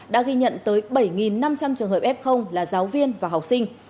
đã ghi nhận tới bảy năm trăm linh trường hợp f là giáo viên và học sinh